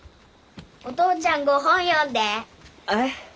お父ちゃんご本読んで。え？